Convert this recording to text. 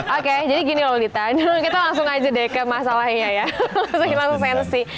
oke jadi begini lolita kita langsung saja ke masalahnya ya langsung langsung sensi